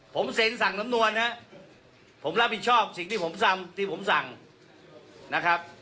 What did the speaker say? ผมเซ็นสั่งสำนวนนะครับผมรับผิดชอบสิ่งที่ผมทำที่ผมสั่งนะครับ